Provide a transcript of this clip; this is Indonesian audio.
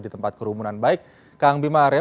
di tempat kerumunan baik kang bima arya